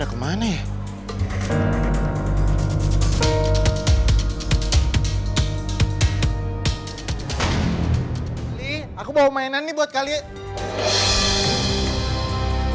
dia itu gak pantas buat kamu